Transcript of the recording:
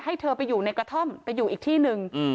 เธอไปอยู่ในกระท่อมไปอยู่อีกที่หนึ่ง